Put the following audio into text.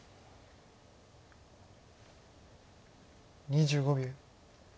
２５秒。